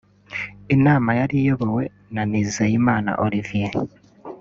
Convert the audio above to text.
inama yari iyobowe na Nizeyimana Olivier